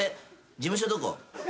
事務所どこ？